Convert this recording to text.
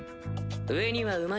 上にはうまいこと。